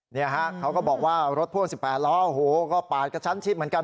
เนี่ยฮะเขาก็บอกว่ารถพ่วง๑๘ล้อโอ้โหก็ปาดกระชั้นชิดเหมือนกัน